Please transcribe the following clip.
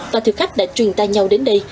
và thực khách đã truyền ta nhau đến đây